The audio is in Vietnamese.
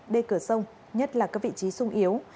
đê cửa sông nhất là các vị trí sung yếu